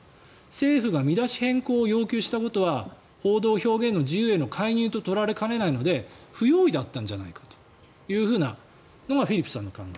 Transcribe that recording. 政府が見出し変更を要求したことは報道・表現の自由への介入と取られかねないので不用意だったんじゃないかというのがフィリップさんの考え。